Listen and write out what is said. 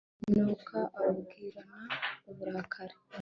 nuko ababwirana uburakari